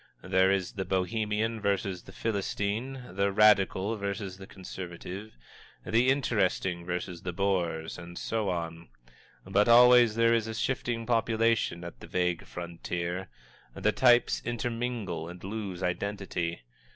There is the Bohemian versus the Philistine, the Radical versus the Conservative, the Interesting versus the Bores, and so on. But always there is a shifting population at the vague frontier the types intermingle and lose identity.